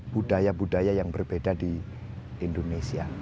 budaya budaya yang berbeda di indonesia